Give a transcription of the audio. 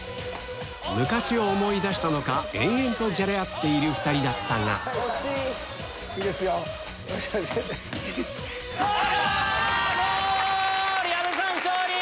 昔を思い出したのか延々とじゃれ合っている２人だったが矢部さん勝利！